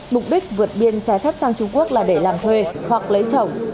mục đích vượt biên trái phép sang trung quốc là để làm thuê hoặc lấy chồng